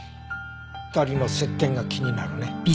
２人の接点が気になるね。